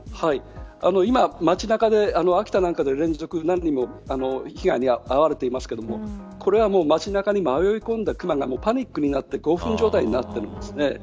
今、町中で秋田なんかで連続で何人も被害に遭われていますがこれは町中に迷い込んだクマがパニックになって興奮状態になっているんですね。